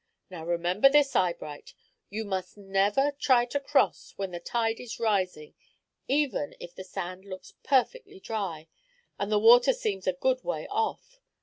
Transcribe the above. "Now remember this, Eyebright, you must never try to cross when the tide is rising, even if the sand looks perfectly dry and the water seems a good way off.